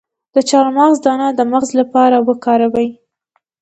د چارمغز دانه د مغز لپاره وکاروئ